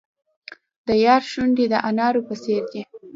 د یار شونډې د انارو په څیر دي.